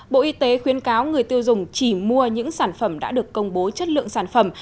bộ y tế khuyến cáo người tiêu dùng chỉ mua những sản phẩm đã được công bố chất lượng sản phẩm